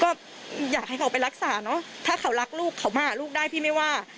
ก็อยากให้เขาไปรักษาเนอะถ้าเขารักลูกเขามาหาลูกได้พี่ไม่ว่า